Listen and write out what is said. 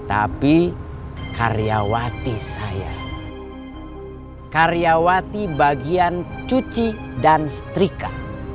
tapi karyawati saya karyawati bagian cuci dan setrika